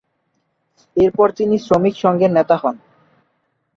এরপর তিনি শ্রমিক সংঘের নেতা হন।